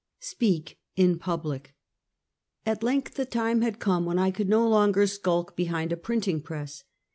SPEAK IN PUBLIC. At length the time had come when I could no longer skulk behind a printing press.